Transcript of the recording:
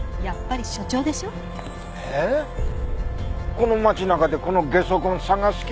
この街中でこのゲソ痕捜す気？